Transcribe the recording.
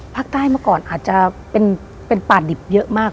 เมื่อก่อนอาจจะเป็นป่าดิบเยอะมาก